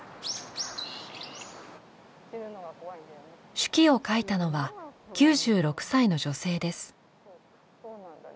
手記を書いたのは９６歳の女性です。